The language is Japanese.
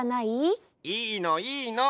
いいのいいの！